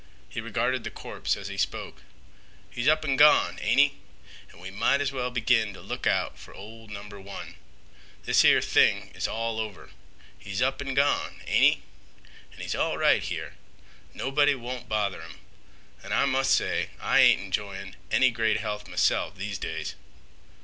He regarded the corpse as he spoke. "He's up an' gone, ain't 'e, an' we might as well begin t' look out fer ol' number one. This here thing is all over. He's up an' gone, ain't 'e? An' he's all right here. Nobody won't bother 'im. An' I must say I ain't enjoying any great health m'self these days."